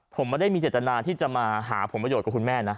ผมไม่ได้มีเจตนาที่จะมาหาผลประโยชน์กับคุณแม่นะ